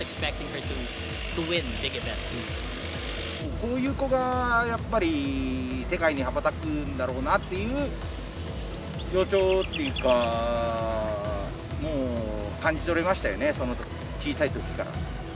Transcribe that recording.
こういう子がやっぱり、世界に羽ばたくんだろうなっていう予兆っていうか、もう感じ取れましたよね、そのとき、小さいときから。